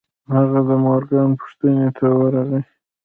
هغه د مورګان پوښتنې ته ورغی.